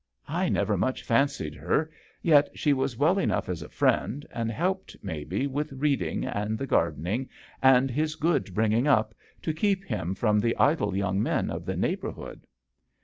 I never much fancied her. Yet she was well enough as a friend, and helped, maybe, with reading, and the gardening, and his good bringing up, to keep him from the idle young men of the neighbourhood."